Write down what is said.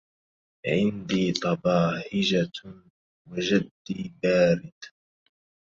عندي طباهجة وجدي بارد